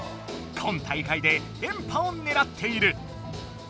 今大会でれんぱをねらっている。